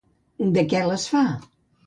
De què les fa?